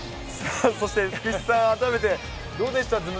そして、福士さん、改めてどうでした？